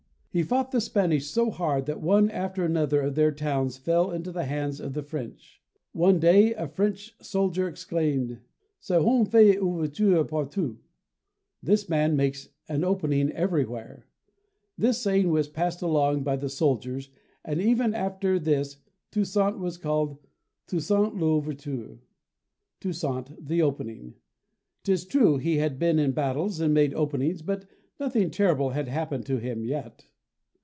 He fought the Spanish so hard that one after another of their towns fell into the hands of the French. One day a French soldier exclaimed, f( Cet homme fait ouverture partout" (this man makes an opening everywhere) . This saying was passed along by the soldiers, and ever after this Toussaint was called "Toussaint L' Ouverture" (Toussaint, the opening). 'Tis true he had been in battles and made openings, but nothing terrible had happened to him yet.